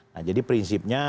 nah jadi prinsipnya